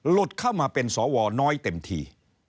เข้ามาเป็นสวน้อยเต็มที